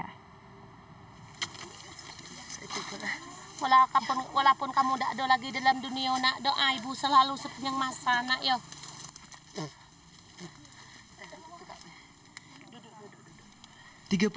walaupun kamu tidak ada lagi di dunia saya selalu sepenyeng masa